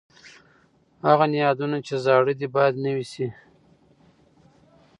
هغه نهادونه چې زاړه دي باید نوي سي.